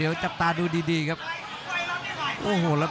โอ้โหโอ้โหโอ้โหโอ้โหโอ้โห